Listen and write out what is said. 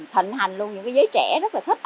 thận hành luôn những giới trẻ rất là thích